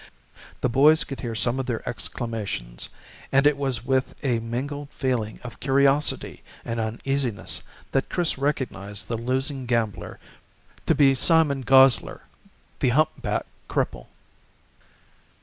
The boys could hear some of their exclamations, and it was with a mingled feeling of curiosity and uneasiness that Chris recognized the losing gambler to be Simon Gosler, the humpbacked cripple.